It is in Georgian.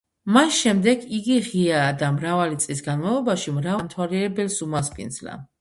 მას შემდეგ, იგი ღიაა და მრავალი წლის განმავლობაში მრავალ დამთვალიერებელს უმასპინძლა.